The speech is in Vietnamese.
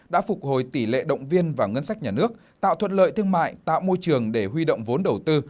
đã phục hồi tỷ lệ động viên vào ngân sách nhà nước tạo thuận lợi thương mại tạo môi trường để huy động vốn đầu tư